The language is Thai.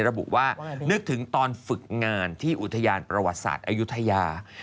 ระบุว่านึกถึงตอนฝึกงานที่อุทยานประวัติศาสตร์อายุทยา